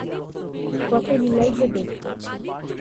কত লীলাই যে দেখব!